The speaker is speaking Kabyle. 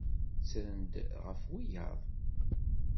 Ttren-d ɣef wiyaḍ.